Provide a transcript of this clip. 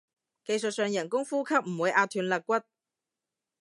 技術上人工呼吸唔會壓斷肋骨